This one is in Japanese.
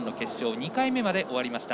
２回目まで終わりました。